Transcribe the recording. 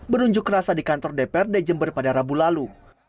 berunjuk rasa di kantor dprd jember pada rabu lalu